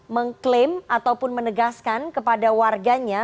mengklaim ataupun menegaskan kepada warganya